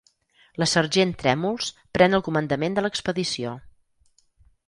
La sergent Trèmols pren el comandament de l'expedició.